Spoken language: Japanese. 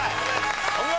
お見事！